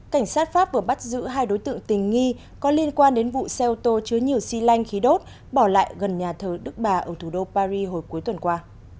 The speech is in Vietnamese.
cảnh sát pháp vừa bắt giữ hai đối tượng tình nghi có liên quan đến vụ xe ô tô chứa nhiều xi lanh khí đốt bỏ lại gần nhà thờ đức bà ở thủ đô paris hồi cuối tuần qua